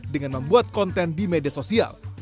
dengan membuat konten di media sosial